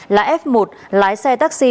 là f một lái xe taxi